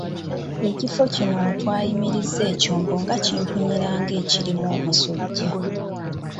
Ekifo kina mwe twayimiriza ekyombo nga kimpunyira ng'ekirimu omusujja.